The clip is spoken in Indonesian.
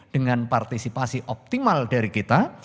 dengan partisipasi optimal dari kita